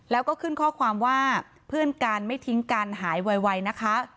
แล้วก็ขึ้นข้อความว่าเพื่อนกันไม่ทิ้งกันหายไวนะคะ